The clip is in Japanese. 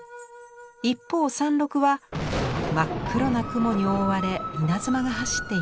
一方山麓は真っ黒な雲に覆われ稲妻が走っています。